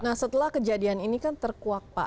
nah setelah kejadian ini kan terkuak pak